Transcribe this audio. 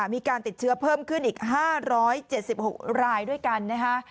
มีการติดเชื้อเพิ่มขึ้นอีก๕๗๖รายด้วยกันนะคะ